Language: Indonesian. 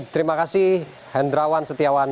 terima kasih hendrawan setiawan